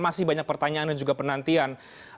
masih banyak pertanyaan dan juga penantian